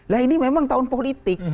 nah ini memang tahun politik